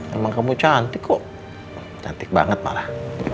emang kamu cantik kok cantik banget malah